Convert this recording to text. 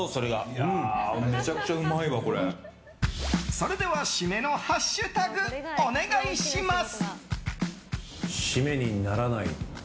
それでは締めのハッシュタグお願いします。